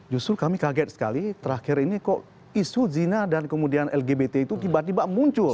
justru kami kaget sekali terakhir ini kok isu zina dan kemudian lgbt itu tiba tiba muncul